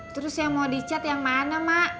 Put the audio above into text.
terus yang mau dicet yang mana mak